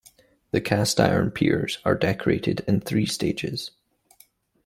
The cast iron piers are decorated in three stages.